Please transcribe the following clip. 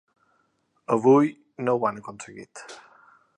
Avui no ho han aconseguit.